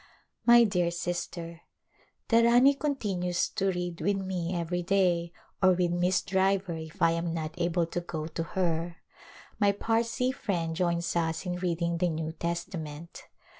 My dear Sister :. The Rani continues to read with me every day or with Miss Driver if I am not able to go to her. My Parsee friend joins us in reading the New Testament.